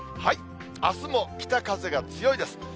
あすも北風が強いです。